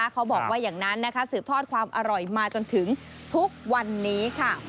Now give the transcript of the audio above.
เขาบอกว่าอย่างนั้นนะคะสืบทอดความอร่อยมาจนถึงทุกวันนี้ค่ะ